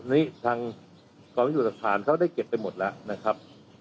นี้ทางกรองพิสูจน์หลักฐานเขาได้เก็บไปหมดแล้ว